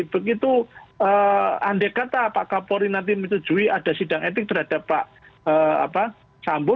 begitu andai kata pak kapolri nanti menyetujui ada sidang etik terhadap pak sambo